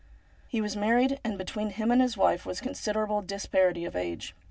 He was married, and between him and his wife was considerable disparity of age.